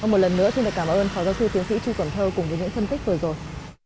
một lần nữa xin cảm ơn phó giáo sư tiến sĩ truy quẩn thơ cùng với những thân tích vừa rồi